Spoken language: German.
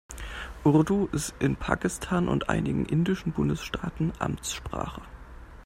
Urdu ist in Pakistan und einigen indischen Bundesstaaten Amtssprache.